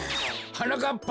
はなかっぱ！